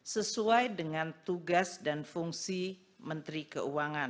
sesuai dengan tugas dan fungsi menteri keuangan